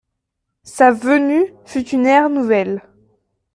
Sa venue fut une ère nouvelle.